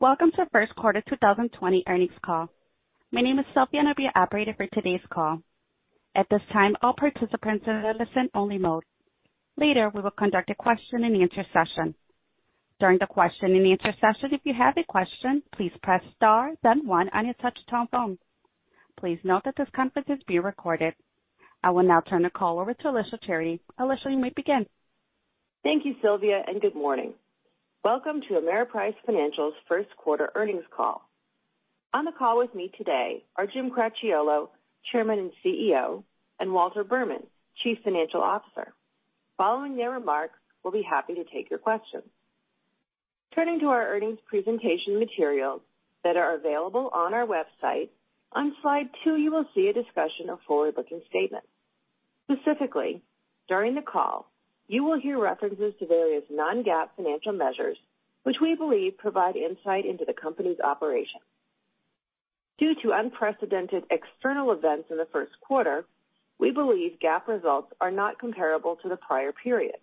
Welcome to the first quarter 2020 earnings call. My name is Sophie and I'll be your operator for today's call. At this time, all participants are in a listen-only mode. Later, we will conduct a question-and-answer session. During the question-and-answer session, if you have a question, please press star then one on your touch-tone phone. Please note that this conference is being recorded. I will now turn the call over to Alicia Charity. Alicia, you may begin. Thank you, Sylvia, and good morning. Welcome to Ameriprise Financial's first quarter earnings call. On the call with me today are Jim Cracchiolo, Chairman and CEO, and Walter Berman, Chief Financial Officer. Following their remarks, we'll be happy to take your questions. Turning to our earnings presentation materials that are available on our website, on slide two, you will see a discussion of forward-looking statements. Specifically, during the call, you will hear references to various non-GAAP financial measures, which we believe provide insight into the company's operations. Due to unprecedented external events in the first quarter, we believe GAAP results are not comparable to the prior period,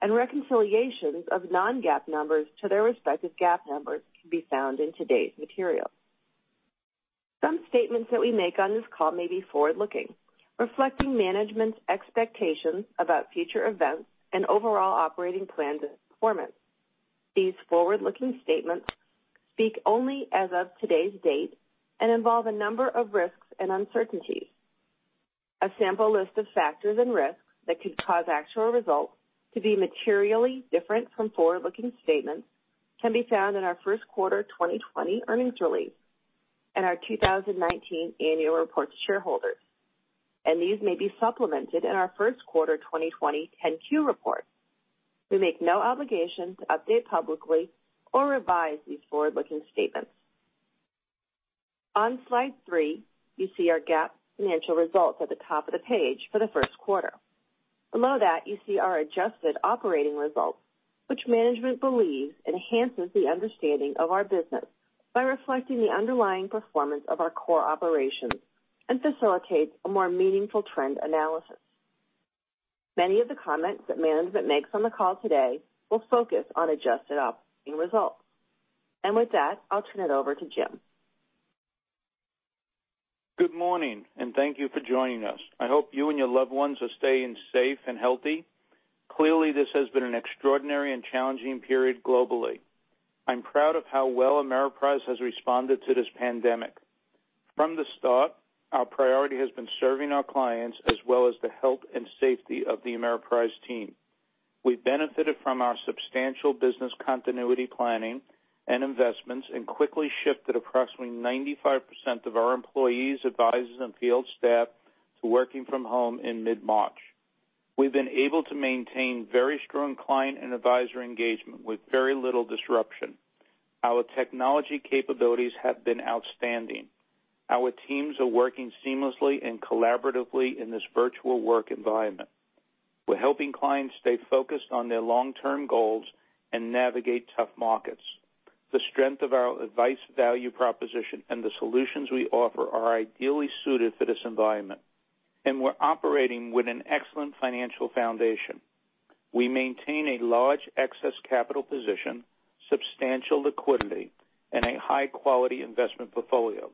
and reconciliations of non-GAAP numbers to their respective GAAP numbers can be found in today's materials. Some statements that we make on this call may be forward-looking, reflecting management's expectations about future events and overall operating plans and performance. These forward-looking statements speak only as of today's date and involve a number of risks and uncertainties. A sample list of factors and risks that could cause actual results to be materially different from forward-looking statements can be found in our first quarter 2020 earnings release and our 2019 annual report to shareholders, and these may be supplemented in our first quarter 2020 Form 10-Q report. We make no obligation to update publicly or revise these forward-looking statements. On slide three, you see our GAAP financial results at the top of the page for the first quarter. Below that, you see our adjusted operating results, which management believes enhances the understanding of our business by reflecting the underlying performance of our core operations and facilitates a more meaningful trend analysis. Many of the comments that management makes on the call today will focus on adjusted operating results. And with that, I'll turn it over to Jim. Good morning, and thank you for joining us. I hope you and your loved ones are staying safe and healthy. Clearly, this has been an extraordinary and challenging period globally. I'm proud of how well Ameriprise has responded to this pandemic. From the start, our priority has been serving our clients as well as the health and safety of the Ameriprise team. We've benefited from our substantial business continuity planning and investments and quickly shifted approximately 95% of our employees, advisors, and field staff to working from home in mid-March. We've been able to maintain very strong client and advisor engagement with very little disruption. Our technology capabilities have been outstanding. Our teams are working seamlessly and collaboratively in this virtual work environment. We're helping clients stay focused on their long-term goals and navigate tough markets. The strength of our advice value proposition and the solutions we offer are ideally suited for this environment, and we're operating with an excellent financial foundation. We maintain a large excess capital position, substantial liquidity, and a high-quality investment portfolio.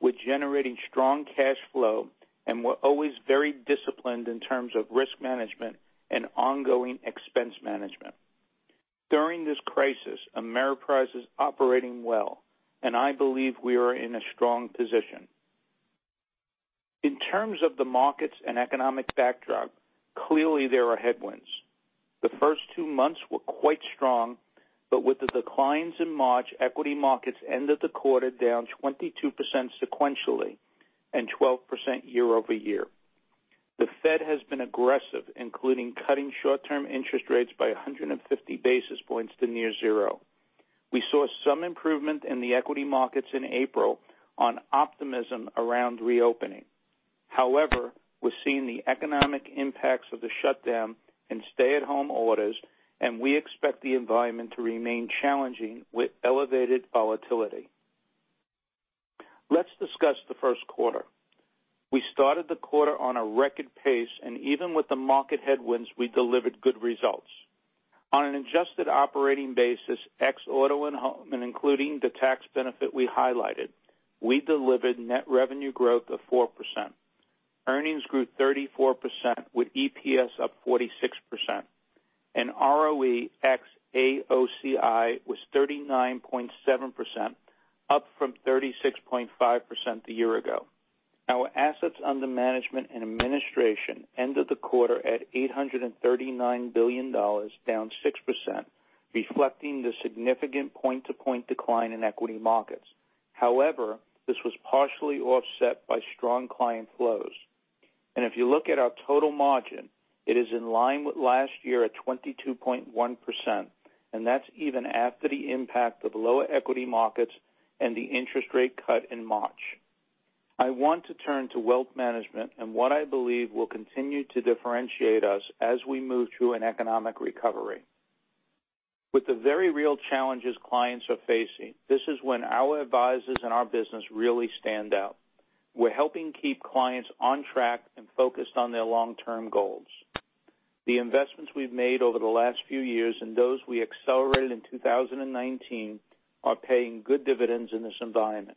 We're generating strong cash flow, and we're always very disciplined in terms of risk management and ongoing expense management. During this crisis, Ameriprise is operating well, and I believe we are in a strong position. In terms of the markets and economic backdrop, clearly there are headwinds. The first two months were quite strong, but with the declines in March, equity markets ended the quarter down 22% sequentially and 12% year-over-year. The Fed has been aggressive, including cutting short-term interest rates by 150 basis points to near zero. We saw some improvement in the equity markets in April on optimism around reopening. However, we're seeing the economic impacts of the shutdown and stay-at-home orders, and we expect the environment to remain challenging with elevated volatility. Let's discuss the first quarter. We started the quarter on a record pace, and even with the market headwinds, we delivered good results. On an adjusted operating basis, ex auto and including the tax benefit we highlighted, we delivered net revenue growth of 4%. Earnings grew 34% with EPS up 46%. And ROE ex AOCI was 39.7%, up from 36.5% a year ago. Our assets under management and administration ended the quarter at $839 billion, down 6%, reflecting the significant point-to-point decline in equity markets. However, this was partially offset by strong client flows. And if you look at our total margin, it is in line with last year at 22.1%, and that's even after the impact of lower equity markets and the interest rate cut in March. I want to turn to wealth management and what I believe will continue to differentiate us as we move through an economic recovery. With the very real challenges clients are facing, this is when our advisors and our business really stand out. We're helping keep clients on track and focused on their long-term goals. The investments we've made over the last few years and those we accelerated in 2019 are paying good dividends in this environment.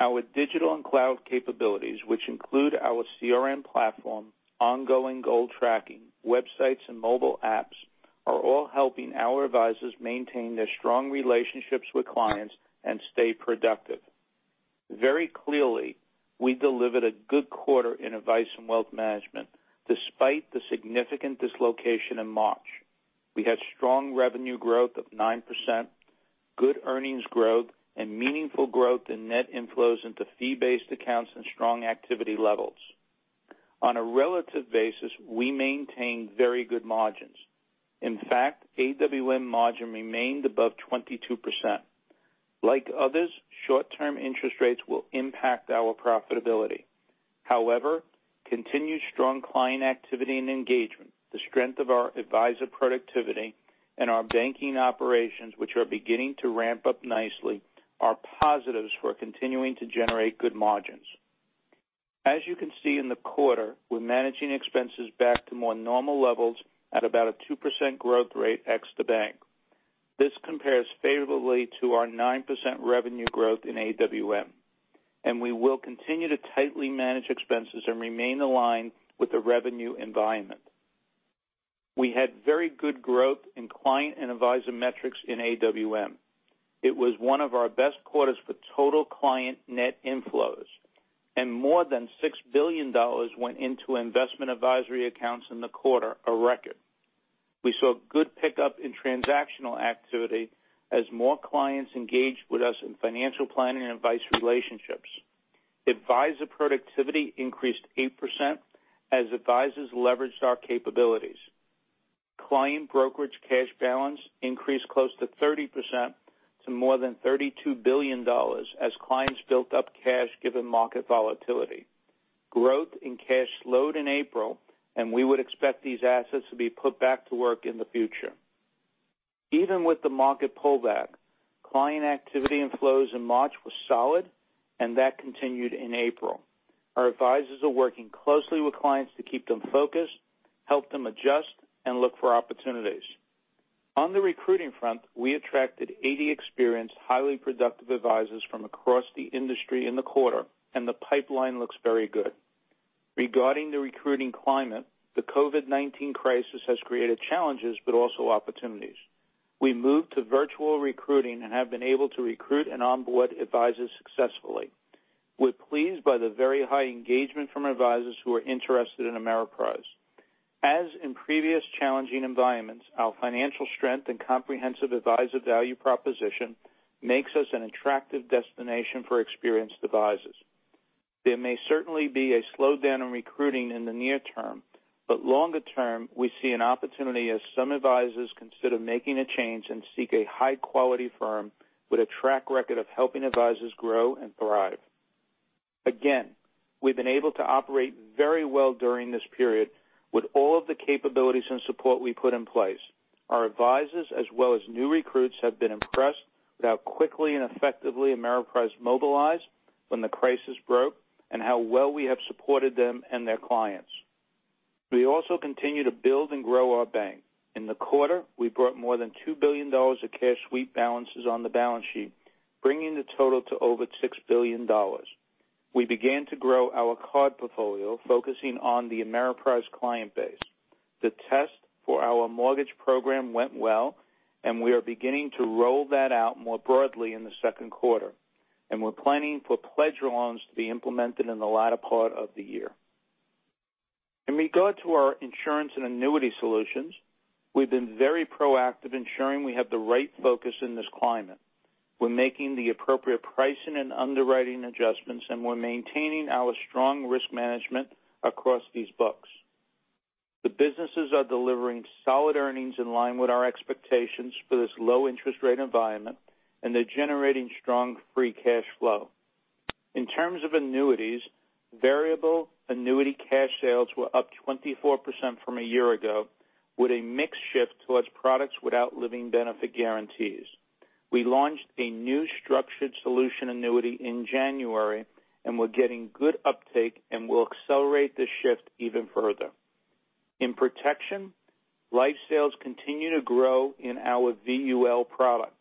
Our digital and cloud capabilities, which include our CRM platform, ongoing goal tracking, websites, and mobile apps, are all helping our advisors maintain their strong relationships with clients and stay productive. Very clearly, we delivered a good quarter in Advice and Wealth Management despite the significant dislocation in March. We had strong revenue growth of 9%, good earnings growth, and meaningful growth in net inflows into fee-based accounts and strong activity levels. On a relative basis, we maintained very good margins. In fact, AWM margin remained above 22%. Like others, short-term interest rates will impact our profitability. However, continued strong client activity and engagement, the strength of our advisor productivity, and our banking operations, which are beginning to ramp up nicely, are positives for continuing to generate good margins. As you can see in the quarter, we're managing expenses back to more normal levels at about a 2% growth rate ex the bank. This compares favorably to our 9% revenue growth in AWM, and we will continue to tightly manage expenses and remain aligned with the revenue environment. We had very good growth in client and advisor metrics in AWM. It was one of our best quarters for total client net inflows, and more than $6 billion went into investment advisory accounts in the quarter, a record. We saw good pickup in transactional activity as more clients engaged with us in financial planning and advice relationships. Advisor productivity increased 8% as advisors leveraged our capabilities. Client brokerage cash balance increased close to 30% to more than $32 billion as clients built up cash given market volatility. Growth in cash slowed in April, and we would expect these assets to be put back to work in the future. Even with the market pullback, client activity and flows in March were solid, and that continued in April. Our advisors are working closely with clients to keep them focused, help them adjust, and look for opportunities. On the recruiting front, we attracted 80 experienced, highly productive advisors from across the industry in the quarter, and the pipeline looks very good. Regarding the recruiting climate, the COVID-19 crisis has created challenges but also opportunities. We moved to virtual recruiting and have been able to recruit and onboard advisors successfully. We're pleased by the very high engagement from advisors who are interested in Ameriprise. As in previous challenging environments, our financial strength and comprehensive advisor value proposition makes us an attractive destination for experienced advisors. There may certainly be a slowdown in recruiting in the near term, but longer term, we see an opportunity as some advisors consider making a change and seek a high-quality firm with a track record of helping advisors grow and thrive. Again, we've been able to operate very well during this period with all of the capabilities and support we put in place. Our advisors, as well as new recruits, have been impressed with how quickly and effectively Ameriprise mobilized when the crisis broke and how well we have supported them and their clients. We also continue to build and grow our bank. In the quarter, we brought more than $2 billion of cash sweep balances on the balance sheet, bringing the total to over $6 billion. We began to grow our card portfolio, focusing on the Ameriprise client base. The test for our mortgage program went well, and we are beginning to roll that out more broadly in the second quarter, and we're planning for pledge loans to be implemented in the latter part of the year. In regard to our insurance and annuity solutions, we've been very proactive in ensuring we have the right focus in this climate. We're making the appropriate pricing and underwriting adjustments, and we're maintaining our strong risk management across these books. The businesses are delivering solid earnings in line with our expectations for this low-interest rate environment, and they're generating strong free cash flow. In terms of annuities, variable annuity cash sales were up 24% from a year ago with a modest shift towards products without living benefit guarantees. We launched a new structured variable annuity in January, and we're getting good uptake, and we'll accelerate this shift even further. In Protection, life sales continue to grow in our VUL product.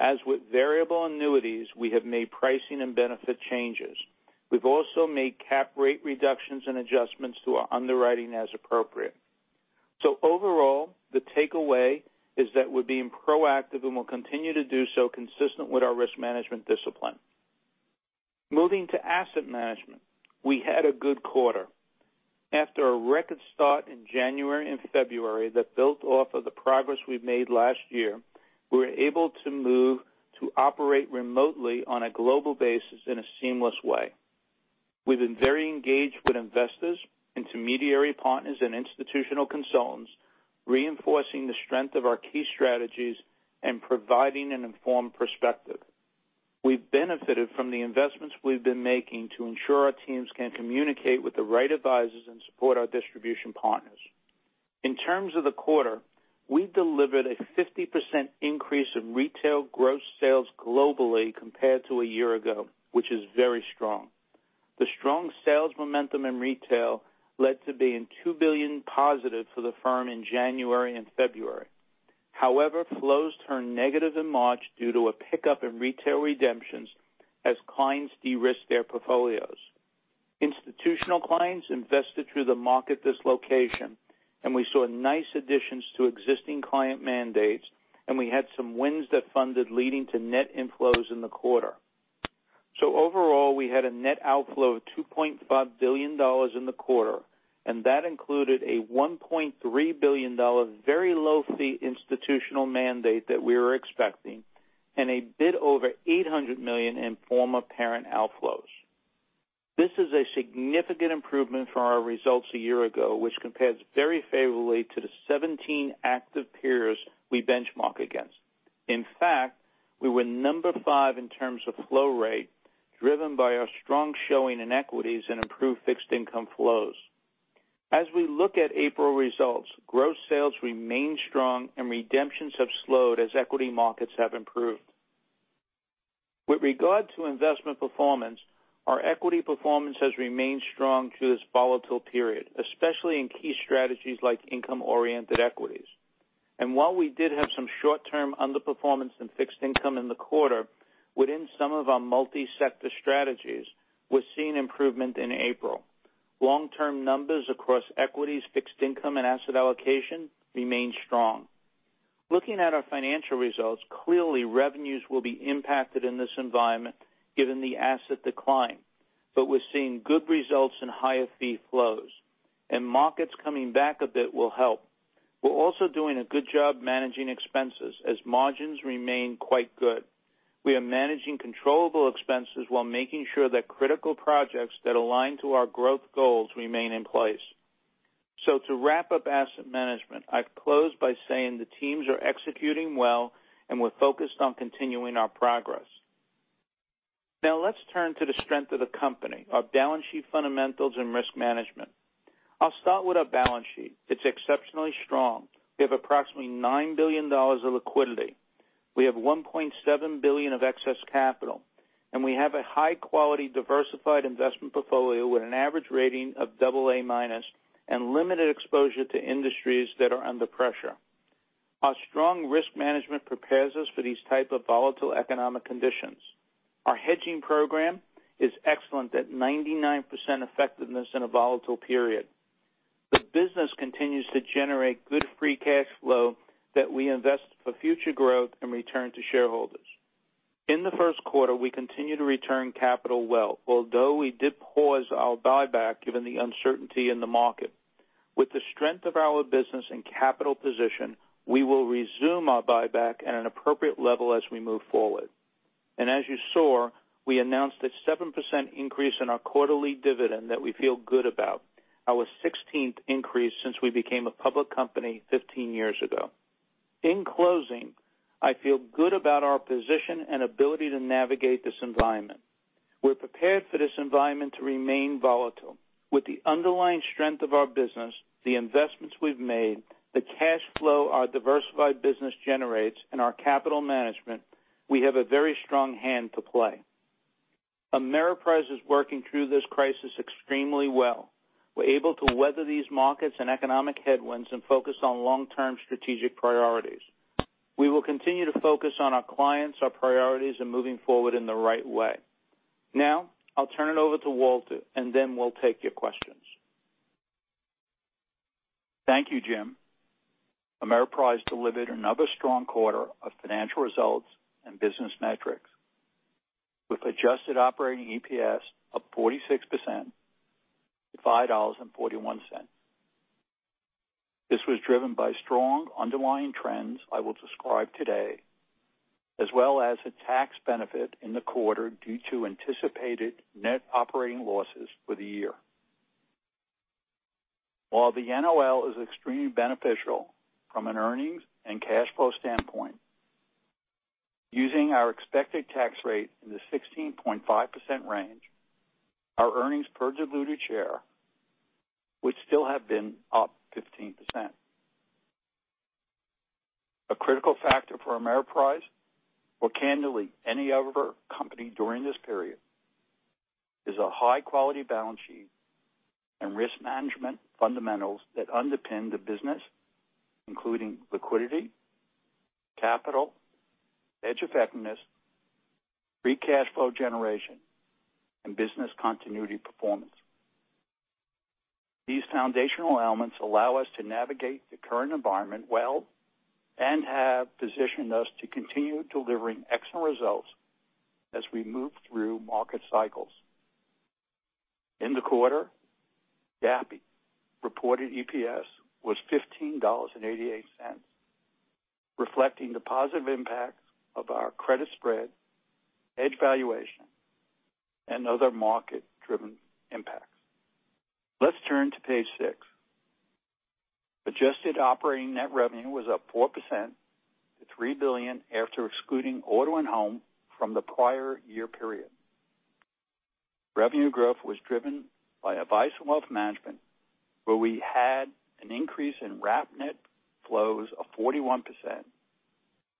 As with variable annuities, we have made pricing and benefit changes. We've also made cap rate reductions and adjustments to our underwriting as appropriate. So overall, the takeaway is that we're being proactive and will continue to do so consistent with our risk management discipline. Moving to Asset Management, we had a good quarter. After a record start in January and February that built off of the progress we've made last year, we were able to move to operate remotely on a global basis in a seamless way. We've been very engaged with investors, intermediary partners, and institutional consultants, reinforcing the strength of our key strategies and providing an informed perspective. We've benefited from the investments we've been making to ensure our teams can communicate with the right advisors and support our distribution partners. In terms of the quarter, we delivered a 50% increase in retail gross sales globally compared to a year ago, which is very strong. The strong sales momentum in retail led to being $2 billion+ for the firm in January and February. However, flows turned negative in March due to a pickup in retail redemptions as clients de-risked their portfolios. Institutional clients invested through the market dislocation, and we saw nice additions to existing client mandates, and we had some wins that funded leading to net inflows in the quarter. So overall, we had a net outflow of $2.5 billion in the quarter, and that included a $1.3 billion very low-fee institutional mandate that we were expecting and a bit over $800 million in former parent outflows. This is a significant improvement from our results a year ago, which compares very favorably to the 17 active peers we benchmark against. In fact, we were number five in terms of flow rate, driven by our strong showing in equities and improved fixed income flows. As we look at April results, gross sales remain strong, and redemptions have slowed as equity markets have improved. With regard to investment performance, our equity performance has remained strong through this volatile period, especially in key strategies like income-oriented equities. And while we did have some short-term underperformance in fixed income in the quarter, within some of our multi-sector strategies, we're seeing improvement in April. Long-term numbers across equities, fixed income, and asset allocation remain strong. Looking at our financial results, clearly revenues will be impacted in this environment given the asset decline, but we're seeing good results in higher fee flows, and markets coming back a bit will help. We're also doing a good job managing expenses as margins remain quite good. We are managing controllable expenses while making sure that critical projects that align to our growth goals remain in place. So to wrap up Asset Management, I close by saying the teams are executing well, and we're focused on continuing our progress. Now let's turn to the strength of the company, our balance sheet fundamentals and risk management. I'll start with our balance sheet. It's exceptionally strong. We have approximately $9 billion of liquidity. We have $1.7 billion of excess capital, and we have a high-quality diversified investment portfolio with an average rating of AA- and limited exposure to industries that are under pressure. Our strong risk management prepares us for these types of volatile economic conditions. Our hedging program is excellent at 99% effectiveness in a volatile period. The business continues to generate good free cash flow that we invest for future growth and return to shareholders. In the first quarter, we continue to return capital well, although we did pause our buyback given the uncertainty in the market. With the strength of our business and capital position, we will resume our buyback at an appropriate level as we move forward. And as you saw, we announced a 7% increase in our quarterly dividend that we feel good about, our 16th increase since we became a public company 15 years ago. In closing, I feel good about our position and ability to navigate this environment. We're prepared for this environment to remain volatile. With the underlying strength of our business, the investments we've made, the cash flow our diversified business generates, and our capital management, we have a very strong hand to play. Ameriprise is working through this crisis extremely well. We're able to weather these markets and economic headwinds and focus on long-term strategic priorities. We will continue to focus on our clients, our priorities, and moving forward in the right way. Now, I'll turn it over to Walter, and then we'll take your questions. Thank you, Jim. Ameriprise delivered another strong quarter of financial results and business metrics with adjusted operating EPS of 46%, $5.41. This was driven by strong underlying trends I will describe today, as well as a tax benefit in the quarter due to anticipated net operating losses for the year. While the NOL is extremely beneficial from an earnings and cash flow standpoint, using our expected tax rate in the 16.5% range, our earnings per diluted share would still have been up 15%. A critical factor for Ameriprise, or candidly any other company during this period, is a high-quality balance sheet and risk management fundamentals that underpin the business, including liquidity, capital, hedge effectiveness, free cash flow generation, and business continuity performance. These foundational elements allow us to navigate the current environment well and have positioned us to continue delivering excellent results as we move through market cycles. In the quarter, GAAP reported EPS was $15.88, reflecting the positive impact of our credit spread hedge valuation, and other market-driven impacts. Let's turn to page six. Adjusted operating net revenue was up 4% to $3 billion after excluding Auto and Home from the prior year period. Revenue growth was driven by Advice and Wealth Management, where we had an increase in wrap net flows of 41%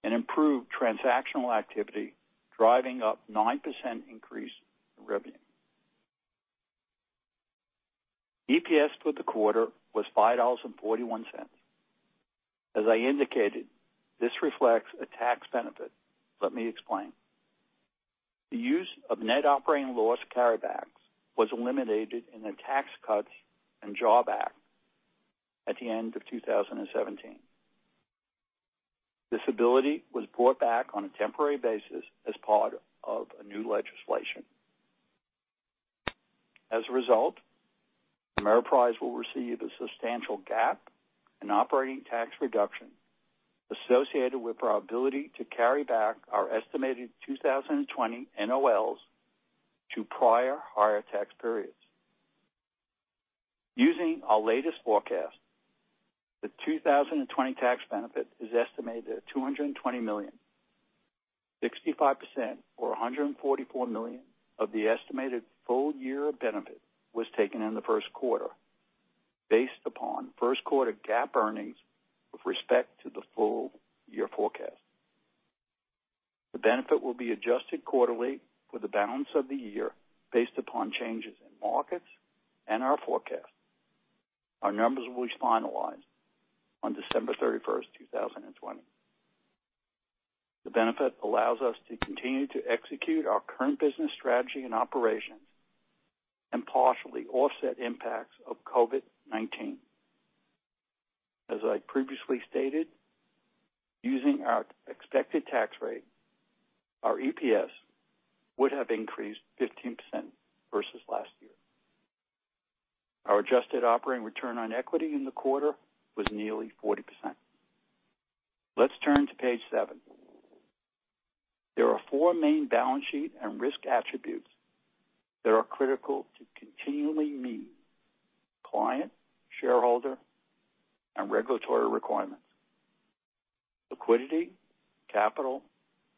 and improved transactional activity, driving up 9% increase in revenue. EPS for the quarter was $5.41. As I indicated, this reflects a tax benefit. Let me explain. The use of net operating loss carrybacks was eliminated in the Tax Cuts and Jobs Act at the end of 2017. This ability was brought back on a temporary basis as part of a new legislation. As a result, Ameriprise will receive a substantial GAAP operating tax reduction associated with our ability to carry back our estimated 2020 NOLs to prior higher tax periods. Using our latest forecast, the 2020 tax benefit is estimated at $220 million. 65% or $144 million of the estimated full year of benefit was taken in the first quarter based upon first quarter GAAP earnings with respect to the full year forecast. The benefit will be adjusted quarterly for the balance of the year based upon changes in markets and our forecast. Our numbers will be finalized on December 31st, 2020. The benefit allows us to continue to execute our current business strategy and operations and partially offset impacts of COVID-19. As I previously stated, using our expected tax rate, our EPS would have increased 15% versus last year. Our adjusted operating return on equity in the quarter was nearly 40%. Let's turn to page seven. There are four main balance sheet and risk attributes that are critical to continually meet client, shareholder, and regulatory requirements: liquidity, capital,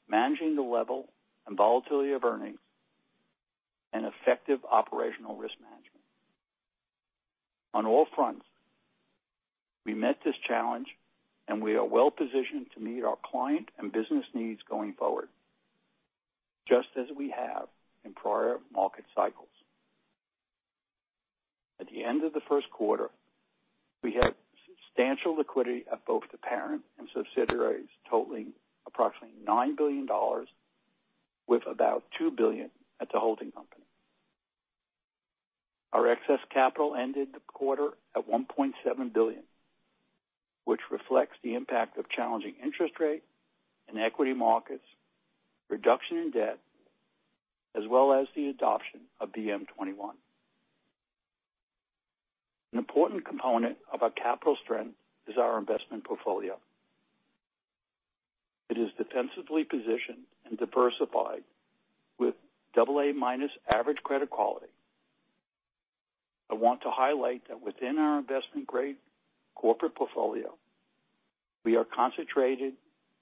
managing the level and volatility of earnings, and effective operational risk management. On all fronts, we met this challenge, and we are well positioned to meet our client and business needs going forward, just as we have in prior market cycles. At the end of the first quarter, we had substantial liquidity at both the parent and subsidiaries, totaling approximately $9 billion, with about $2 billion at the holding company. Our excess capital ended the quarter at $1.7 billion, which reflects the impact of challenging interest rate and equity markets, reduction in debt, as well as the adoption of VM-21. An important component of our capital strength is our investment portfolio. It is defensively positioned and diversified with AA- average credit quality. I want to highlight that within our investment-grade corporate portfolio, we are concentrated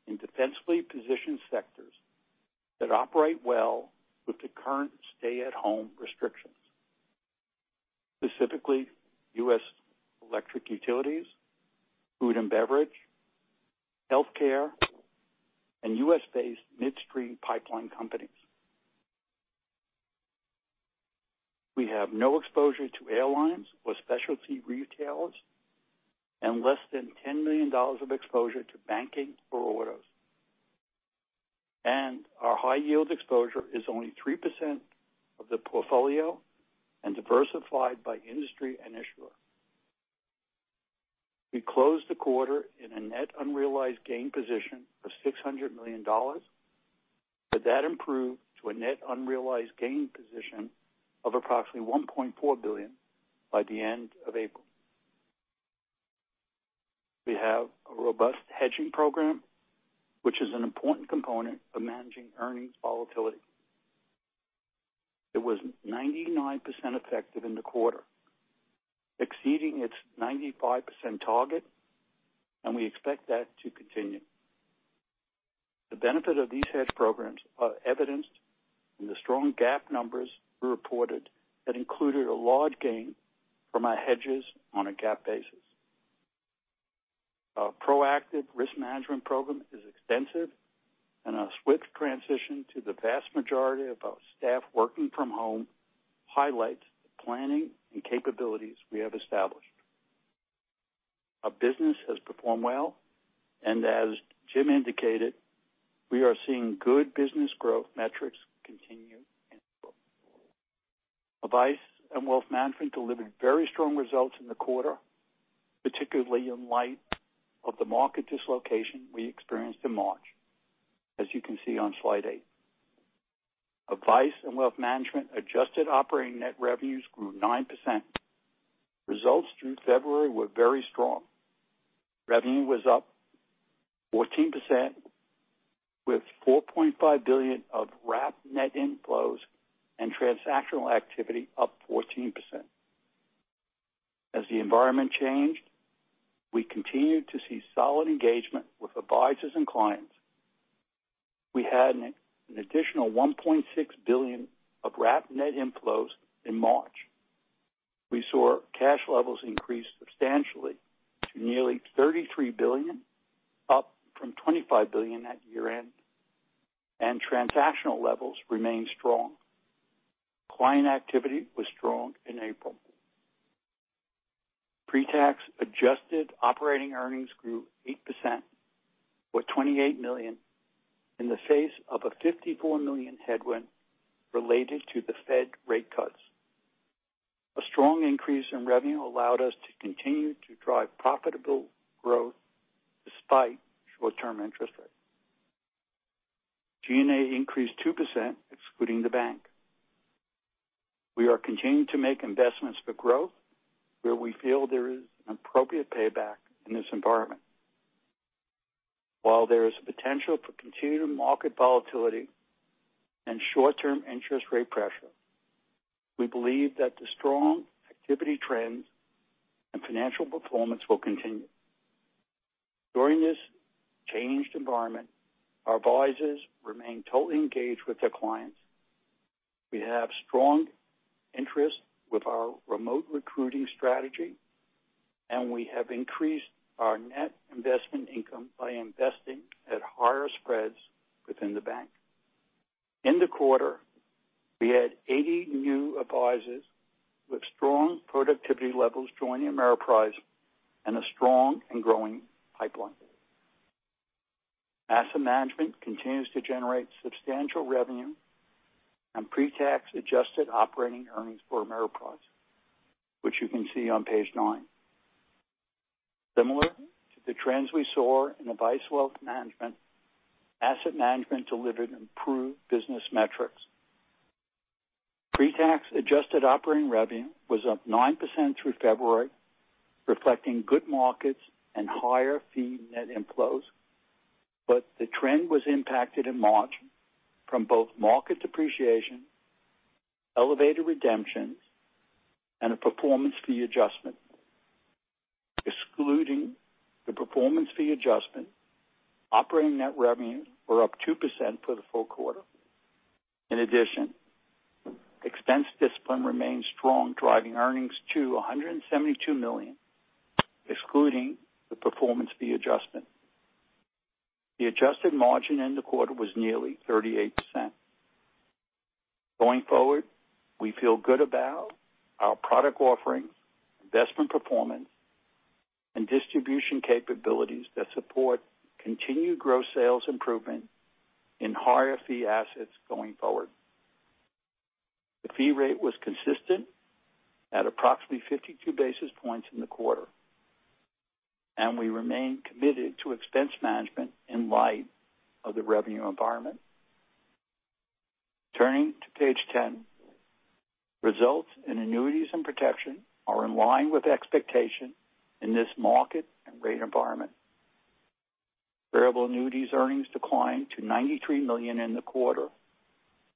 in defensively positioned sectors that operate well with the current stay-at-home restrictions, specifically U.S. electric utilities, food and beverage, healthcare, and U.S.-based midstream pipeline companies. We have no exposure to airlines or specialty retailers and less than $10 million of exposure to banking or autos, and our high-yield exposure is only 3% of the portfolio and diversified by industry and issuer. We closed the quarter in a net unrealized gain position of $600 million, but that improved to a net unrealized gain position of approximately $1.4 billion by the end of April. We have a robust hedging program, which is an important component of managing earnings volatility. It was 99% effective in the quarter, exceeding its 95% target, and we expect that to continue. The benefit of these hedge programs is evidenced in the strong GAAP numbers we reported that included a large gain from our hedges on a GAAP basis. Our proactive risk management program is extensive, and our swift transition to the vast majority of our staff working from home highlights the planning and capabilities we have established. Our business has performed well, and as Jim indicated, we are seeing good business growth metrics continue in April. Advice and Wealth Management delivered very strong results in the quarter, particularly in light of the market dislocation we experienced in March, as you can see on slide eight. Advice and Wealth Management adjusted operating net revenues grew 9%. Results through February were very strong. Revenue was up 14%, with $4.5 billion of wrap net inflows and transactional activity up 14%. As the environment changed, we continued to see solid engagement with advisors and clients. We had an additional $1.6 billion of wrap net inflows in March. We saw cash levels increase substantially to nearly $33 billion, up from $25 billion at year-end, and transactional levels remained strong. Client activity was strong in April. Pre-tax adjusted operating earnings grew 8%, with $28 million in the face of a $54 million headwind related to the Fed rate cuts. A strong increase in revenue allowed us to continue to drive profitable growth despite short-term interest rates. G&A increased 2%, excluding the bank. We are continuing to make investments for growth where we feel there is an appropriate payback in this environment. While there is a potential for continued market volatility and short-term interest rate pressure, we believe that the strong activity trends and financial performance will continue. During this changed environment, our advisors remain totally engaged with their clients. We have strong interest with our remote recruiting strategy, and we have increased our net investment income by investing at higher spreads within the bank. In the quarter, we had 80 new advisors with strong productivity levels joining Ameriprise and a strong and growing pipeline. Asset Management continues to generate substantial revenue and pre-tax adjusted operating earnings for Ameriprise, which you can see on page nine. Similar to the trends we saw in advisor wealth management, Asset Management delivered improved business metrics. Pre-tax adjusted operating revenue was up 9% through February, reflecting good markets and higher fee net inflows, but the trend was impacted in March from both market depreciation, elevated redemptions, and a performance fee adjustment. Excluding the performance fee adjustment, operating net revenues were up 2% for the full quarter. In addition, expense discipline remained strong, driving earnings to $172 million, excluding the performance fee adjustment. The adjusted margin in the quarter was nearly 38%. Going forward, we feel good about our product offering, investment performance, and distribution capabilities that support continued gross sales improvement in higher fee assets going forward. The fee rate was consistent at approximately 52 basis points in the quarter, and we remain committed to expense management in light of the revenue environment. Turning to page ten, results in Annuities and Protection are in line with expectations in this market and rate environment. Variable annuities earnings declined to $93 million in the quarter,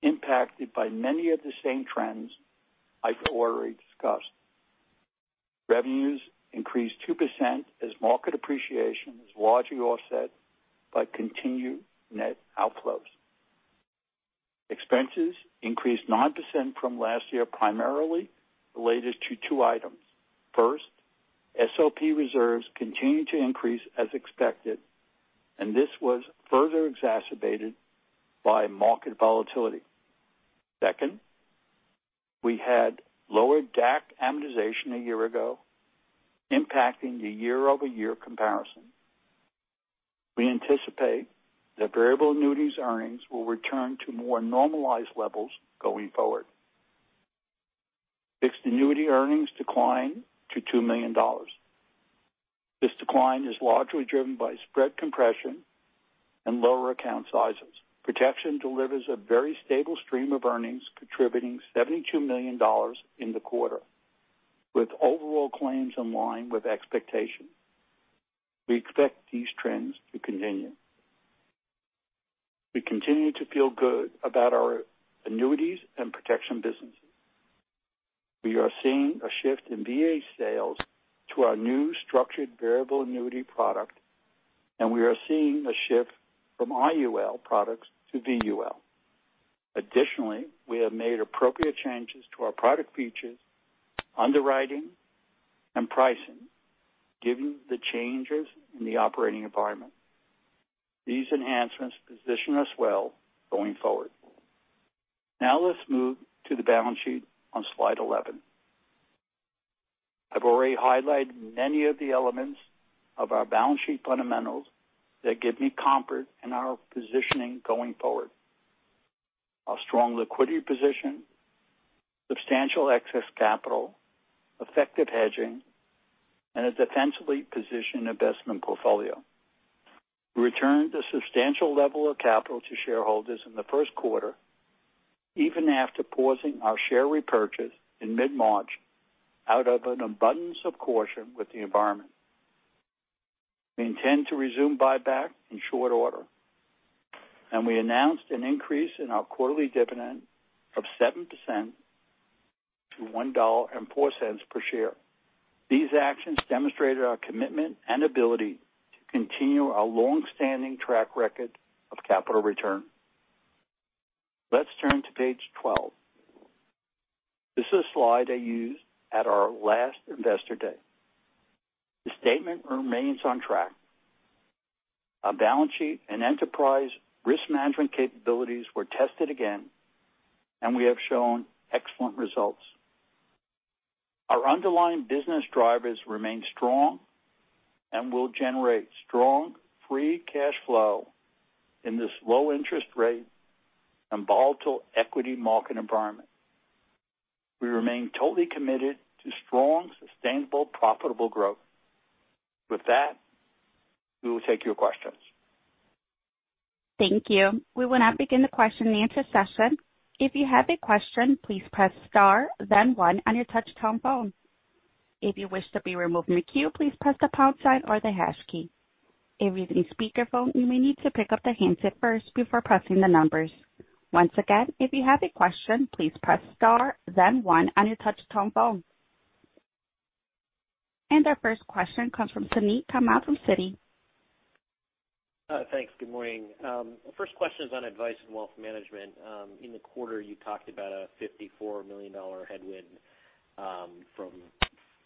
impacted by many of the same trends I already discussed. Revenues increased 2% as market appreciation is largely offset by continued net outflows. Expenses increased 9% from last year, primarily related to two items. First, SOP reserves continued to increase as expected, and this was further exacerbated by market volatility. Second, we had lower DAC amortization a year ago, impacting the year-over-year comparison. We anticipate that variable annuities earnings will return to more normalized levels going forward. Fixed annuity earnings declined to $2 million. This decline is largely driven by spread compression and lower account sizes. Protection delivers a very stable stream of earnings, contributing $72 million in the quarter, with overall claims in line with expectations. We expect these trends to continue. We continue to feel good about our Annuities and Protection businesses. We are seeing a shift in VA sales to our new structured variable annuity product, and we are seeing a shift from IUL products to VUL. Additionally, we have made appropriate changes to our product features, underwriting, and pricing, given the changes in the operating environment. These enhancements position us well going forward. Now let's move to the balance sheet on slide 11. I've already highlighted many of the elements of our balance sheet fundamentals that give me comfort in our positioning going forward: a strong liquidity position, substantial excess capital, effective hedging, and a defensively positioned investment portfolio. We returned a substantial level of capital to shareholders in the first quarter, even after pausing our share repurchase in mid-March out of an abundance of caution with the environment. We intend to resume buyback in short order, and we announced an increase in our quarterly dividend of 7% to $1.04 per share. These actions demonstrated our commitment and ability to continue our long-standing track record of capital return. Let's turn to page 12. This is a slide I used at our last Investor Day. The statement remains on track. Our balance sheet and enterprise risk management capabilities were tested again, and we have shown excellent results. Our underlying business drivers remain strong and will generate strong free cash flow in this low-interest rate and volatile equity market environment. We remain totally committed to strong, sustainable, profitable growth. With that, we will take your questions. Thank you. We will now begin the question-and-answer session. If you have a question, please press star, then one, on your touch-tone phone. If you wish to be removed from the queue, please press the pound sign or the hash key. If you're using speakerphone, you may need to pick up the handset first before pressing the numbers. Once again, if you have a question, please press star, then one, on your touch-tone phone. Our first question comes from Suneet Kamath. Thanks. Good morning. First question is on Advice and Wealth Management. In the quarter, you talked about a $54 million headwind from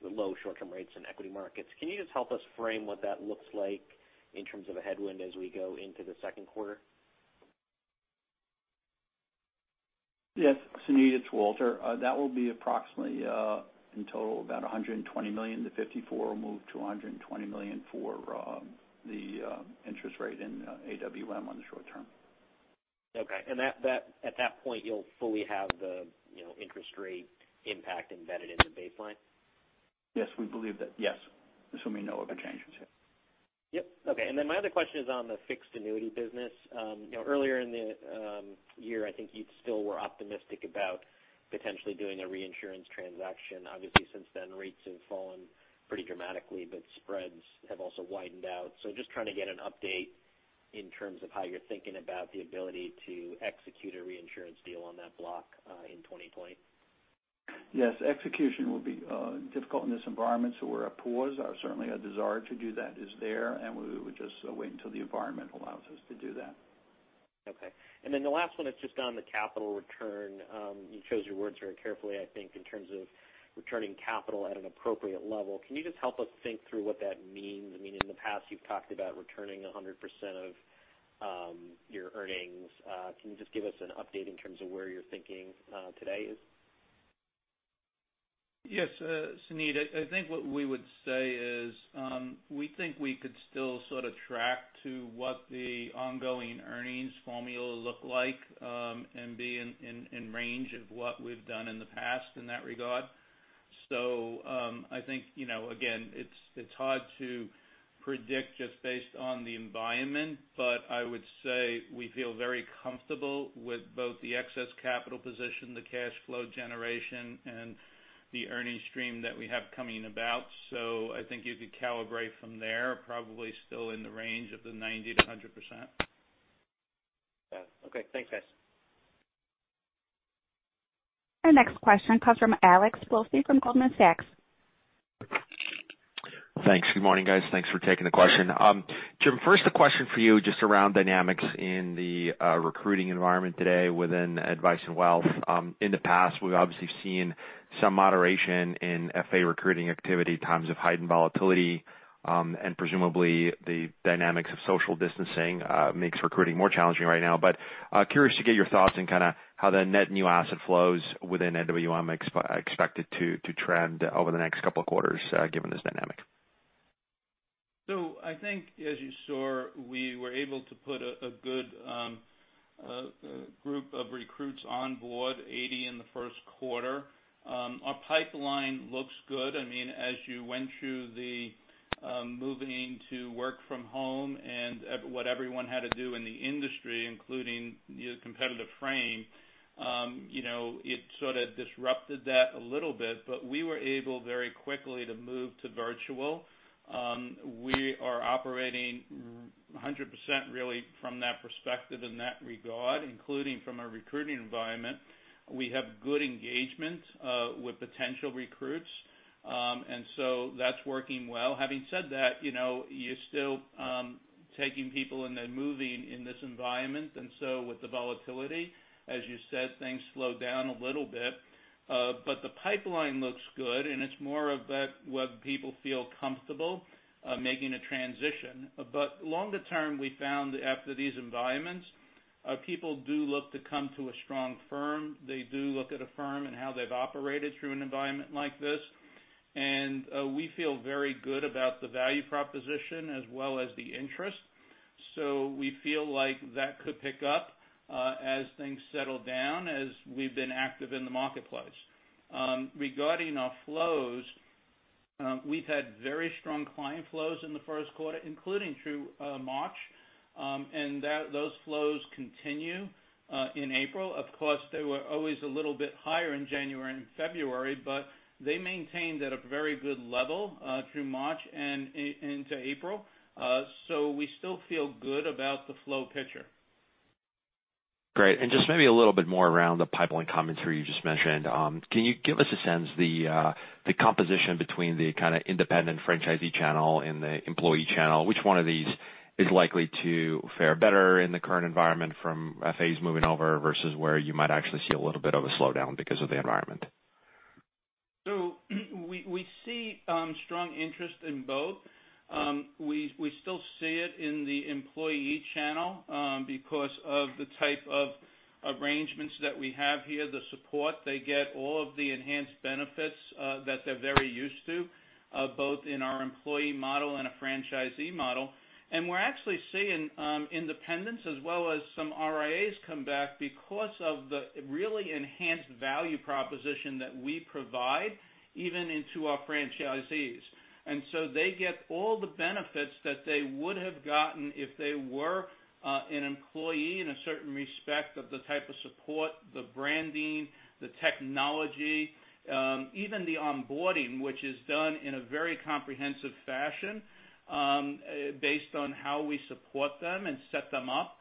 the low short-term rates in equity markets. Can you just help us frame what that looks like in terms of a headwind as we go into the second quarter? Yes. Suneet, it's Walter. That will be approximately, in total, about $120 million from $54 million to $120 million for the interest rate in AWM on the short term. Okay. And at that point, you'll fully have the interest rate impact embedded in the baseline? Yes, we believe that. Yes. Assuming no other changes. Yep. Okay. And then my other question is on the fixed annuity business. Earlier in the year, I think you still were optimistic about potentially doing a reinsurance transaction. Obviously, since then, rates have fallen pretty dramatically, but spreads have also widened out. So just trying to get an update in terms of how you're thinking about the ability to execute a reinsurance deal on that block in 2020. Yes. Execution will be difficult in this environment, so we're at pause. Certainly, a desire to do that is there, and we would just wait until the environment allows us to do that. Okay. And then the last one is just on the capital return. You chose your words very carefully, I think, in terms of returning capital at an appropriate level. Can you just help us think through what that means? I mean, in the past, you've talked about returning 100% of your earnings. Can you just give us an update in terms of where you're thinking today is? Yes. Suneet, I think what we would say is we think we could still sort of track to what the ongoing earnings formula look like and be in range of what we've done in the past in that regard. So I think, again, it's hard to predict just based on the environment, but I would say we feel very comfortable with both the excess capital position, the cash flow generation, and the earnings stream that we have coming about. So I think you could calibrate from there, probably still in the range of the 90%-100%. Okay. Thanks, guys. Our next question comes from Alex Blostein from Goldman Sachs. Thanks. Good morning, guys. Thanks for taking the question. Jim, first, a question for you just around dynamics in the recruiting environment today within advice and wealth. In the past, we've obviously seen some moderation in FA recruiting activity, times of heightened volatility, and presumably the dynamics of social distancing makes recruiting more challenging right now. But curious to get your thoughts on kind of how the net new asset flows within AWM are expected to trend over the next couple of quarters given this dynamic. So I think, as you saw, we were able to put a good group of recruits on board, 80 in the first quarter. Our pipeline looks good. I mean, as you went through the moving to work from home and what everyone had to do in the industry, including the competitive frame, it sort of disrupted that a little bit. But we were able very quickly to move to virtual. We are operating 100% really from that perspective in that regard, including from a recruiting environment. We have good engagement with potential recruits, and so that's working well. Having said that, you're still taking people and then moving in this environment. And so with the volatility, as you said, things slowed down a little bit. But the pipeline looks good, and it's more of where people feel comfortable making a transition. But longer term, we found that after these environments, people do look to come to a strong firm. They do look at a firm and how they've operated through an environment like this. And we feel very good about the value proposition as well as the interest. So we feel like that could pick up as things settle down as we've been active in the marketplace. Regarding our flows, we've had very strong client flows in the first quarter, including through March, and those flows continue in April. Of course, they were always a little bit higher in January and February, but they maintained at a very good level through March and into April. So we still feel good about the flow picture. Great. And just maybe a little bit more around the pipeline comments you just mentioned. Can you give us a sense of the composition between the kind of independent franchisee channel and the employee channel? Which one of these is likely to fare better in the current environment from FAs moving over versus where you might actually see a little bit of a slowdown because of the environment? So we see strong interest in both. We still see it in the employee channel because of the type of arrangements that we have here, the support they get, all of the enhanced benefits that they're very used to, both in our employee model and a franchisee model. And we're actually seeing independents as well as some RIAs come back because of the really enhanced value proposition that we provide even into our franchisees. And so they get all the benefits that they would have gotten if they were an employee in a certain respect of the type of support, the branding, the technology, even the onboarding, which is done in a very comprehensive fashion based on how we support them and set them up.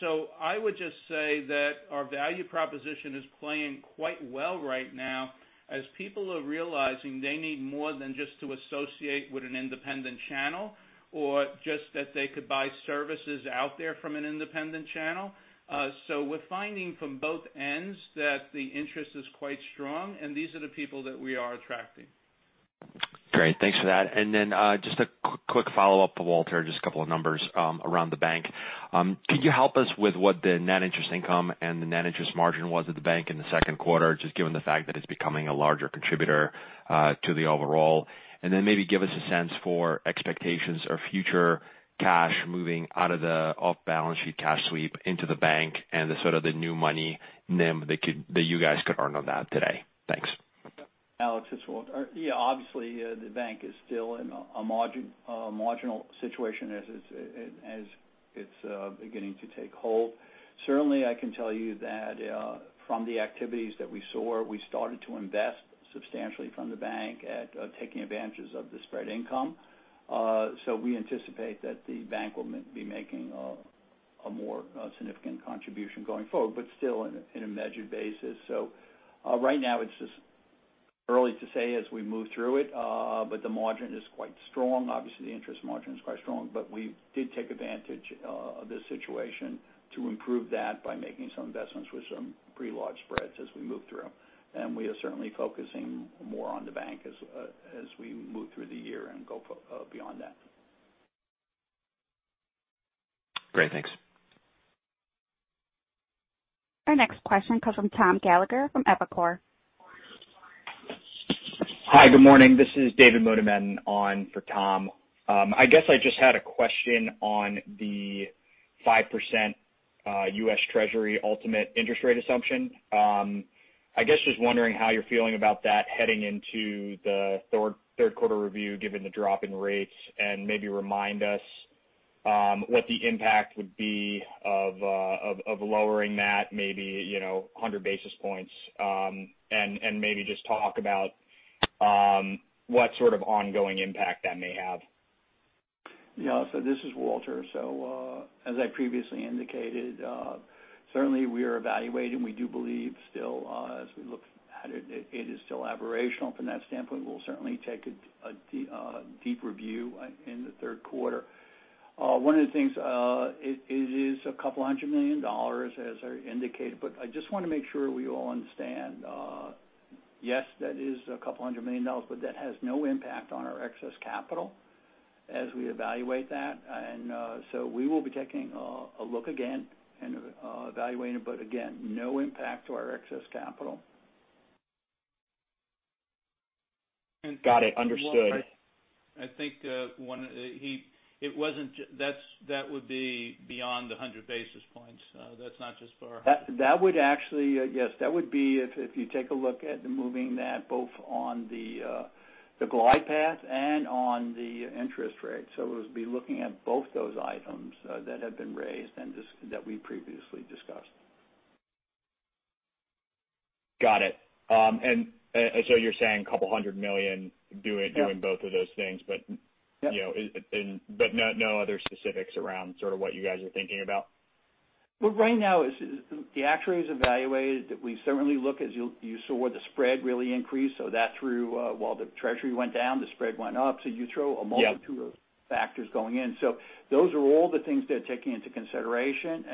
So I would just say that our value proposition is playing quite well right now as people are realizing they need more than just to associate with an independent channel or just that they could buy services out there from an independent channel. So we're finding from both ends that the interest is quite strong, and these are the people that we are attracting. Great. Thanks for that. And then just a quick follow-up, Walter, just a couple of numbers around the bank. Could you help us with what the net interest income and the net interest margin was at the bank in the second quarter, just given the fact that it's becoming a larger contributor to the overall? And then maybe give us a sense for expectations or future cash moving out of the off-balance sheet cash sweep into the bank and sort of the new money that you guys could earn on that today. Thanks. Alex, it's Walter. Yeah. Obviously, the bank is still in a marginal situation as it's beginning to take hold. Certainly, I can tell you that from the activities that we saw, we started to invest substantially from the bank at taking advantages of the spread income. So we anticipate that the bank will be making a more significant contribution going forward, but still in a measured basis. So right now, it's just early to say as we move through it, but the margin is quite strong. Obviously, the interest margin is quite strong, but we did take advantage of this situation to improve that by making some investments with some pretty large spreads as we move through. And we are certainly focusing more on the bank as we move through the year and go beyond that. Great. Thanks. Our next question comes from Tom Gallagher from Evercore. Hi. Good morning. This is David Motemaden on for Tom. I guess I just had a question on the 5% U.S. Treasury ultimate interest rate assumption. I guess just wondering how you're feeling about that heading into the third quarter review, given the drop in rates, and maybe remind us what the impact would be of lowering that maybe 100 basis points and maybe just talk about what sort of ongoing impact that may have. Yeah. This is Walter. As I previously indicated, certainly, we are evaluating. We do believe still, as we look at it, it is still aberrational from that standpoint. We will certainly take a deep review in the third quarter. One of the things, it is $200 million as I indicated, but I just want to make sure we all understand. Yes, that is $200 million, but that has no impact on our excess capital as we evaluate that. And so we will be taking a look again and evaluating it, but again, no impact to our excess capital. Got it. Understood. I think it wasn't that would be beyond the 100 basis points. That's not just for our heart. That would actually, yes, that would be if you take a look at moving that both on the glide path and on the interest rate. So it would be looking at both those items that have been raised and that we previously discussed. Got it. And so you're saying $200 million doing both of those things, but no other specifics around sort of what you guys are thinking about? Well, right now, the actuary is evaluated. We certainly look, as you saw, the spread really increased. So that through while the Treasury went down, the spread went up. You throw a multitude of factors going in. Those are all the things they're taking into consideration.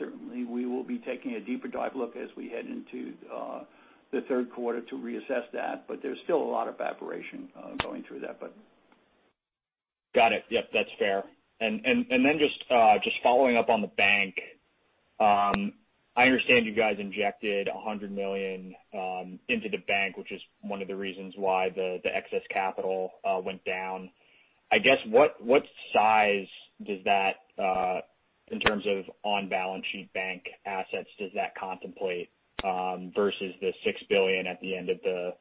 Certainly, we will be taking a deeper dive look as we head into the third quarter to reassess that. But there's still a lot of aberration going through that, but. Got it. Yep. That's fair. Then just following up on the bank, I understand you guys injected $100 million into the bank, which is one of the reasons why the excess capital went down. I guess what size does that, in terms of on-balance sheet bank assets, does that contemplate versus the $6 billion at the end of the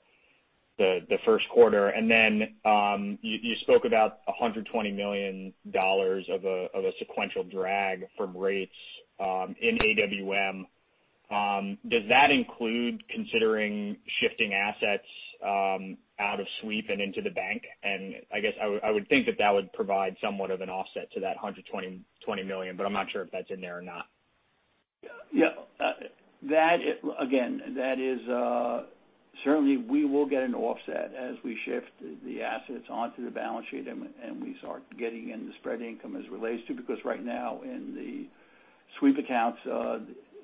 first quarter? Then you spoke about $120 million of a sequential drag from rates in AWM. Does that include considering shifting assets out of sweep and into the bank? I guess I would think that that would provide somewhat of an offset to that $120 million, but I'm not sure if that's in there or not. Yeah. Again, certainly, we will get an offset as we shift the assets onto the balance sheet and we start getting in the spread income as it relates to because right now in the sweep accounts,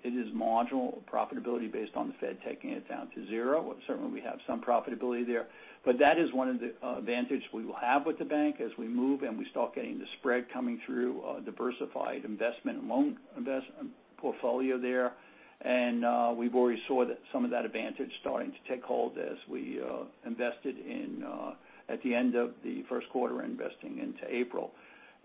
it is marginal profitability based on the Fed taking it down to zero. Certainly, we have some profitability there. But that is one of the advantages we will have with the bank as we move and we start getting the spread coming through a diversified investment and loan portfolio there. And we've already saw some of that advantage starting to take hold as we invested at the end of the first quarter investing into April.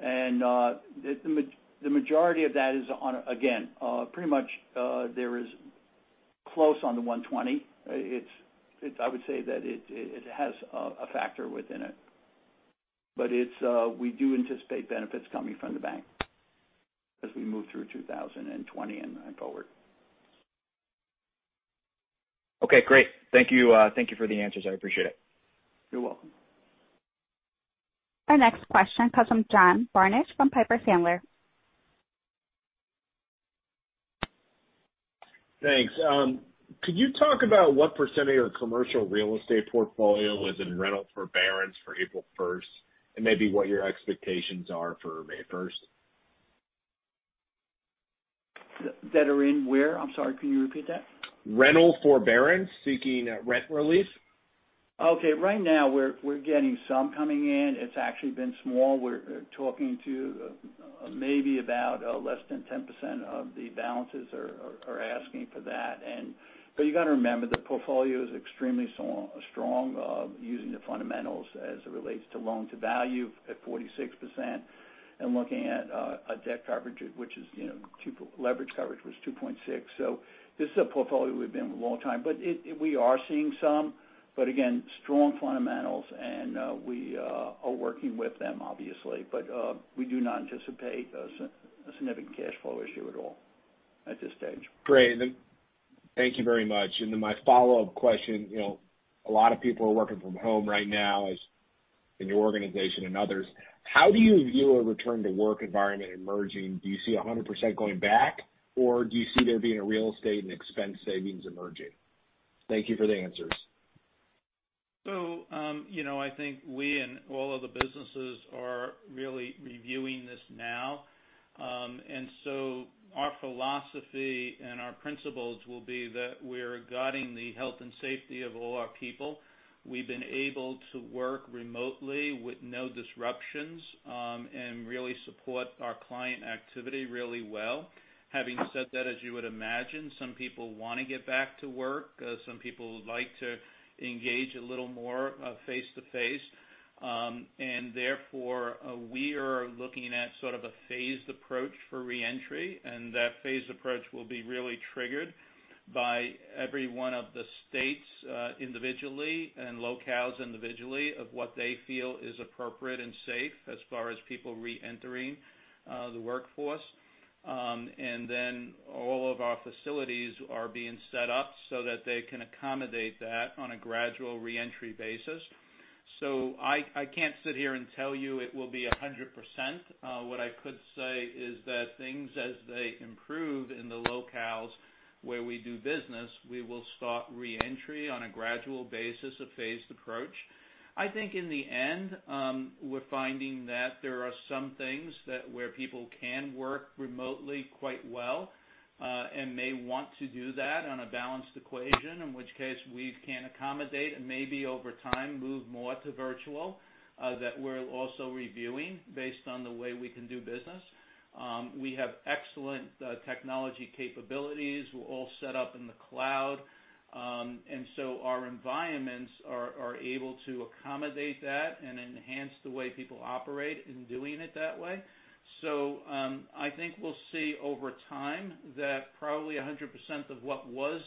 And the majority of that is on, again, pretty much there is close on the 120. I would say that it has a factor within it, but we do anticipate benefits coming from the bank as we move through 2020 and forward. Okay. Great. Thank you for the answers. I appreciate it. You're welcome. Our next question comes from John Barnidge from Piper Sandler. Thanks. Could you talk about what % of your commercial real estate portfolio was in rental forbearance for April 1st and maybe what your expectations are for May 1st? That are in where? I'm sorry. Can you repeat that? Rental forbearance seeking rent relief? Okay. Right now, we're getting some coming in. It's actually been small. We're talking to maybe about less than 10% of the balances are asking for that. But you got to remember the portfolio is extremely strong using the fundamentals as it relates to loan to value at 46% and looking at a debt coverage, which is leverage coverage, was 2.6. So this is a portfolio we've been with a long time. But we are seeing some, but again, strong fundamentals, and we are working with them, obviously. But we do not anticipate a significant cash flow issue at all at this stage. Great. Thank you very much and then my follow-up question, a lot of people are working from home right now in your organization and others. How do you view a return-to-work environment emerging? Do you see 100% going back, or do you see there being a real estate and expense savings emerging? Thank you for the answers. So I think we and all of the businesses are really reviewing this now. And so our philosophy and our principles will be that we're guarding the health and safety of all our people. We've been able to work remotely with no disruptions and really support our client activity really well. Having said that, as you would imagine, some people want to get back to work. Some people would like to engage a little more face-to-face. And therefore, we are looking at sort of a phased approach for reentry. And that phased approach will be really triggered by every one of the states individually and locales individually of what they feel is appropriate and safe as far as people reentering the workforce. And then all of our facilities are being set up so that they can accommodate that on a gradual reentry basis. So I can't sit here and tell you it will be 100%. What I could say is that things as they improve in the locales where we do business, we will start reentry on a gradual basis, a phased approach. I think in the end, we're finding that there are some things where people can work remotely quite well and may want to do that on a balanced equation, in which case we can accommodate and maybe over time move more to virtual that we're also reviewing based on the way we can do business. We have excellent technology capabilities. We're all set up in the cloud, and so our environments are able to accommodate that and enhance the way people operate in doing it that way. So I think we'll see over time that probably 100% of what was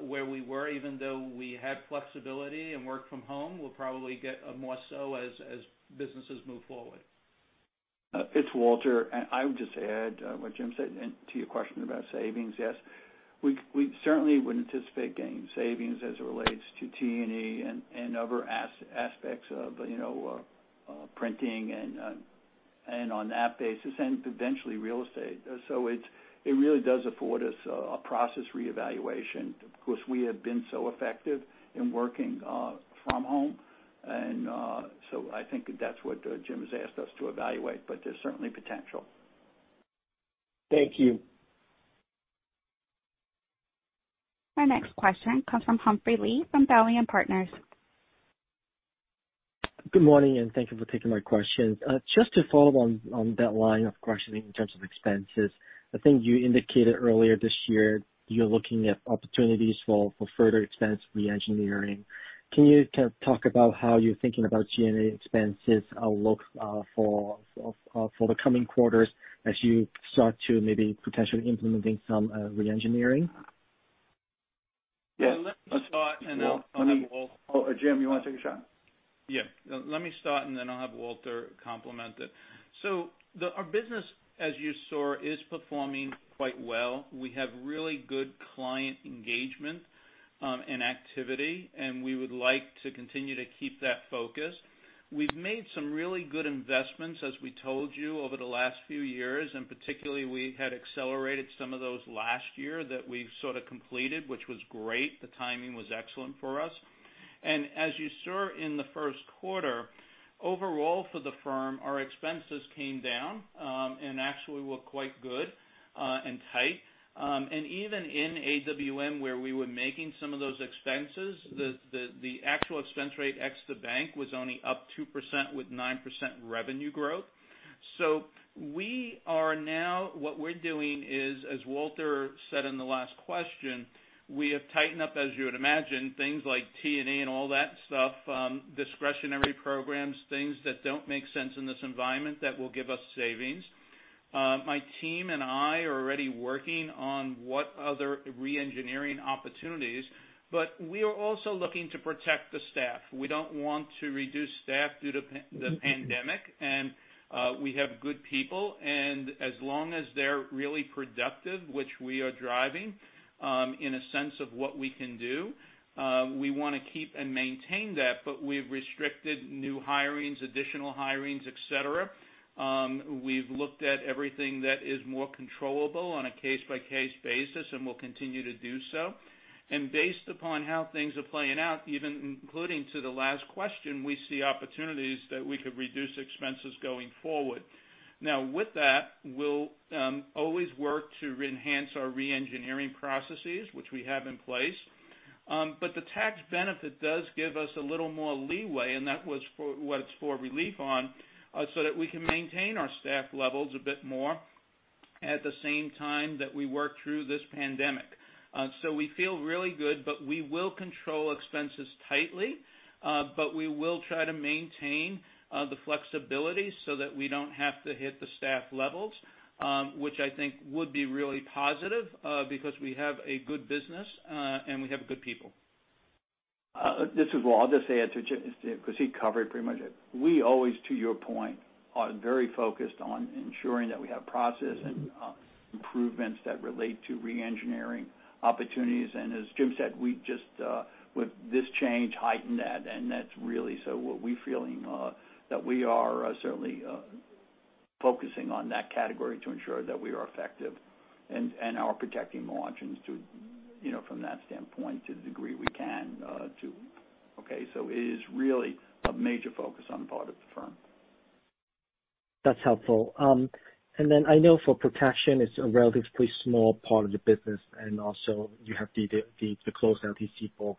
where we were, even though we had flexibility and worked from home, will probably get more so as businesses move forward. It's Walter. And I would just add what Jim said to your question about savings, yes. We certainly would anticipate getting savings as it relates to T&E and other aspects of printing and on that basis and eventually real estate. So it really does afford us a process reevaluation. Of course, we have been so effective in working from home. And so I think that's what Jim has asked us to evaluate, but there's certainly potential. Thank you. Our next question comes from Humphrey Lee from Dowling & Partners. Good morning, and thank you for taking my question. Just to follow up on that line of questioning in terms of expenses, I think you indicated earlier this year you're looking at opportunities for further expense reengineering. Can you talk about how you're thinking about G&A expenses for the coming quarters as you start to maybe potentially implementing some reengineering? Yeah. Let me start, and I'll have Walter. Oh, Jim, you want to take a shot? Yeah. Let me start, and then I'll have Walter complement it. So our business, as you saw, is performing quite well. We have really good client engagement and activity, and we would like to continue to keep that focus. We've made some really good investments, as we told you, over the last few years, and particularly, we had accelerated some of those last year that we sort of completed, which was great. The timing was excellent for us, and as you saw in the first quarter, overall for the firm, our expenses came down and actually were quite good and tight, and even in AWM, where we were making some of those expenses, the actual expense rate ex the bank was only up 2% with 9% revenue growth. So we are now what we're doing is, as Walter said in the last question, we have tightened up, as you would imagine, things like T&E and all that stuff, discretionary programs, things that don't make sense in this environment that will give us savings. My team and I are already working on what other reengineering opportunities, but we are also looking to protect the staff. We don't want to reduce staff due to the pandemic. And we have good people. And as long as they're really productive, which we are driving in a sense of what we can do, we want to keep and maintain that, but we've restricted new hirings, additional hirings, etc. We've looked at everything that is more controllable on a case-by-case basis and will continue to do so. Based upon how things are playing out, even including to the last question, we see opportunities that we could reduce expenses going forward. Now, with that, we'll always work to enhance our reengineering processes, which we have in place. The tax benefit does give us a little more leeway, and that was what it's for relief on, so that we can maintain our staff levels a bit more at the same time that we work through this pandemic. We feel really good, but we will control expenses tightly, but we will try to maintain the flexibility so that we don't have to hit the staff levels, which I think would be really positive because we have a good business and we have good people. This is Walter. Say it to Jim because he covered pretty much it. We always, to your point, are very focused on ensuring that we have process and improvements that relate to reengineering opportunities. And as Jim said, we just, with this change, heightened that. And that's really so what we're feeling that we are certainly focusing on that category to ensure that we are effective and are protecting margins from that standpoint to the degree we can to. Okay. So it is really a major focus on part of the firm. That's helpful. And then I know for protection, it's a relatively small part of the business, and also you have the closed LTC book.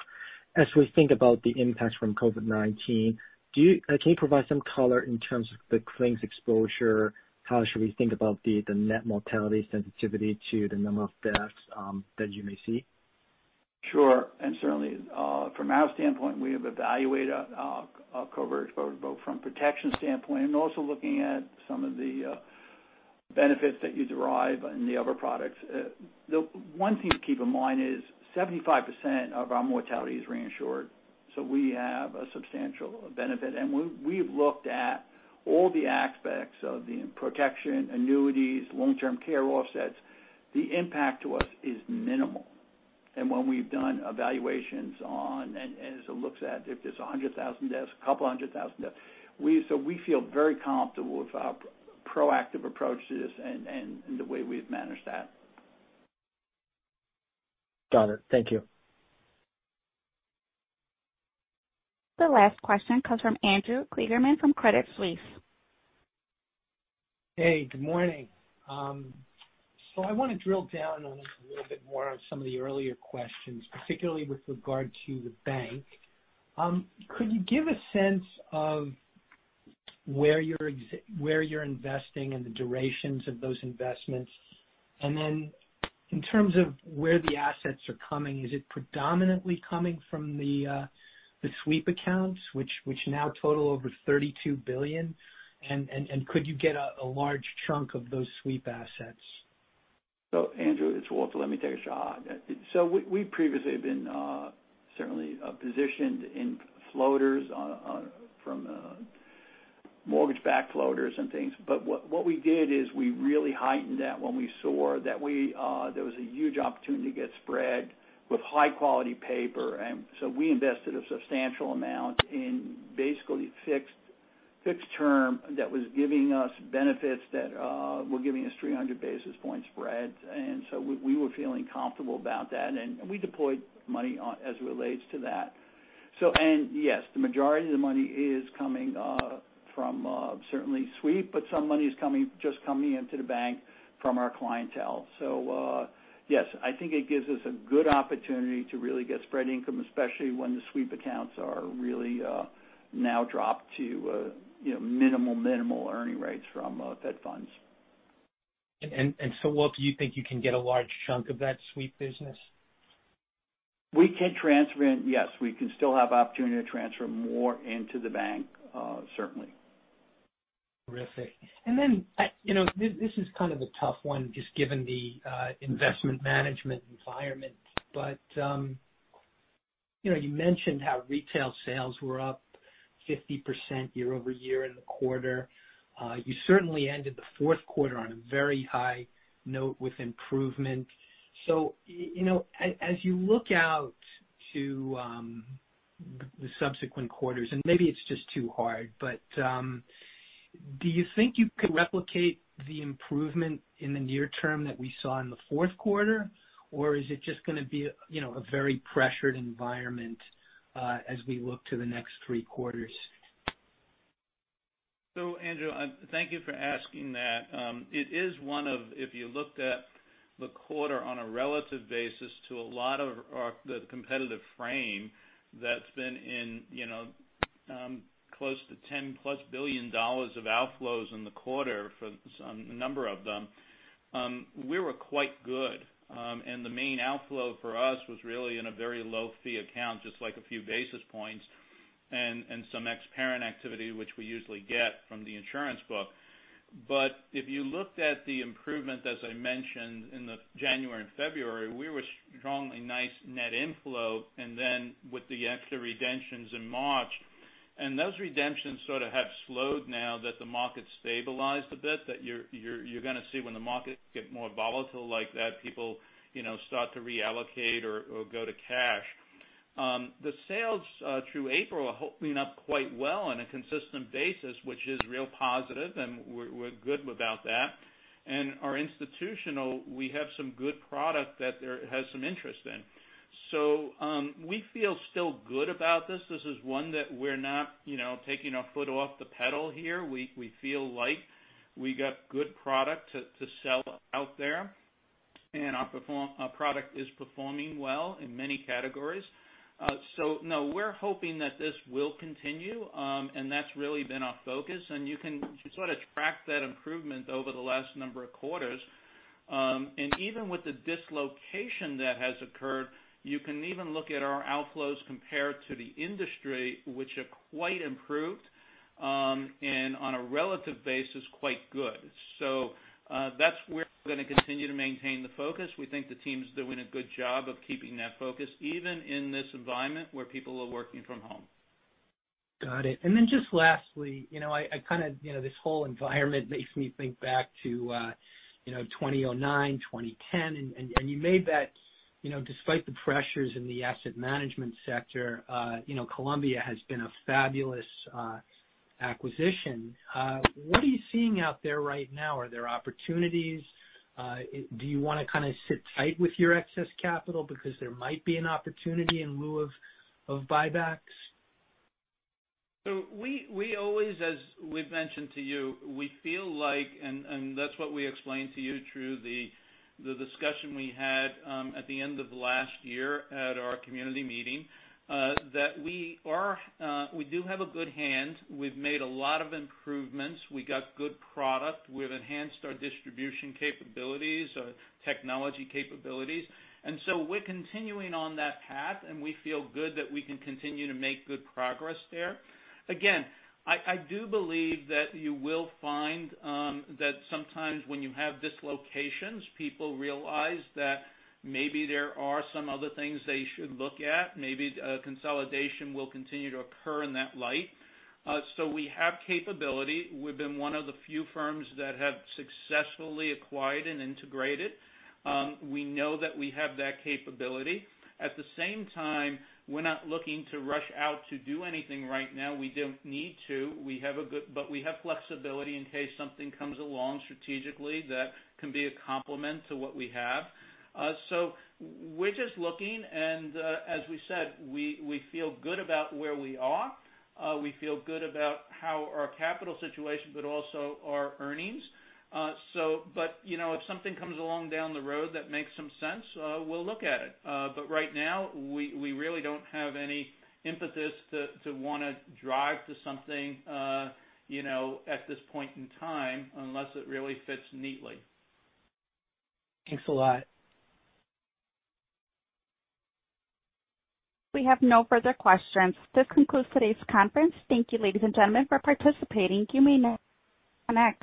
As we think about the impacts from COVID-19, can you provide some color in terms of the claims exposure? How should we think about the net mortality sensitivity to the number of deaths that you may see? Sure. And certainly, from our standpoint, we have evaluated our COVID exposure both from a protection standpoint and also looking at some of the benefits that you derive in the other products. One thing to keep in mind is 75% of our mortality is reinsured. So we have a substantial benefit. And we've looked at all the aspects of the protection, annuities, long-term care offsets. The impact to us is minimal. And when we've done evaluations on and as it looks at if there's 100,000 deaths, a couple of hundred thousand deaths, so we feel very comfortable with our proactive approach to this and the way we've managed that. Got it. Thank you. The last question comes from Andrew Kligerman from Credit Suisse. Hey, good morning. So I want to drill down on a little bit more on some of the earlier questions, particularly with regard to the bank. Could you give a sense of where you're investing and the durations of those investments? And then in terms of where the assets are coming, is it predominantly coming from the sweep accounts, which now total over $32 billion? And could you get a large chunk of those sweep assets? So Andrew, it's Walter. Let me take a shot. So we previously have been certainly positioned in floaters from mortgage-backed floaters and things. But what we did is we really heightened that when we saw that there was a huge opportunity to get spread with high-quality paper. And so we invested a substantial amount in basically fixed term that was giving us benefits that were giving us 300 basis points spread. And so we were feeling comfortable about that. And we deployed money as it relates to that. Yes, the majority of the money is coming from certainly sweep, but some money is just coming into the bank from our clientele. So yes, I think it gives us a good opportunity to really get spread income, especially when the sweep accounts are really now dropped to minimal earning rates from Fed funds. So Walter, do you think you can get a large chunk of that sweep business? We can transfer in. Yes, we can still have opportunity to transfer more into the bank, certainly. Terrific. Then this is kind of a tough one just given the investment management environment. You mentioned how retail sales were up 50% year-over-year in the quarter. You certainly ended the fourth quarter on a very high note with improvement. So as you look out to the subsequent quarters, and maybe it's just too hard, but do you think you could replicate the improvement in the near term that we saw in the fourth quarter, or is it just going to be a very pressured environment as we look to the next three quarters? So Andrew, thank you for asking that. It is one of, if you looked at the quarter on a relative basis to a lot of the competitive frame that's been in close to $10+ billion of outflows in the quarter for a number of them, we were quite good. And the main outflow for us was really in a very low-fee account, just like a few basis points and some ex-parent activity, which we usually get from the insurance book. But if you looked at the improvement, as I mentioned in January and February, we were strong in net inflows. And then with the extra redemptions in March, and those redemptions sort of have slowed now that the market stabilized a bit, that you're going to see when the market gets more volatile like that, people start to reallocate or go to cash. The sales through April are holding up quite well on a consistent basis, which is real positive, and we're good with that. And our institutional, we have some good product that has some interest in. So we feel still good about this. This is one that we're not taking our foot off the pedal here. We feel like we got good product to sell out there. And our product is performing well in many categories. So no, we're hoping that this will continue, and that's really been our focus. And you can sort of track that improvement over the last number of quarters. And even with the dislocation that has occurred, you can even look at our outflows compared to the industry, which are quite improved and on a relative basis, quite good. So that's where we're going to continue to maintain the focus. We think the team's doing a good job of keeping that focus, even in this environment where people are working from home. Got it. And then just lastly, I kind of this whole environment makes me think back to 2009, 2010. And you made that despite the pressures in the Asset Management sector, Columbia has been a fabulous acquisition. What are you seeing out there right now? Are there opportunities? Do you want to kind of sit tight with your excess capital because there might be an opportunity in lieu of buybacks? So we always, as we've mentioned to you, we feel like, and that's what we explained to you through the discussion we had at the end of last year at our community meeting, that we do have a good hand. We've made a lot of improvements. We got good product. We've enhanced our distribution capabilities, technology capabilities. And so we're continuing on that path, and we feel good that we can continue to make good progress there. Again, I do believe that you will find that sometimes when you have dislocations, people realize that maybe there are some other things they should look at. Maybe consolidation will continue to occur in that light. So we have capability. We've been one of the few firms that have successfully acquired and integrated. We know that we have that capability. At the same time, we're not looking to rush out to do anything right now. We don't need to. We have a good, but we have flexibility in case something comes along strategically that can be a complement to what we have. So we're just looking, and as we said, we feel good about where we are. We feel good about how our capital situation, but also our earnings, but if something comes along down the road that makes some sense, we'll look at it, but right now, we really don't have any impetus to want to drive to something at this point in time unless it really fits neatly. Thanks a lot. We have no further questions. This concludes today's conference. Thank you, ladies and gentlemen, for participating. You may now disconnect.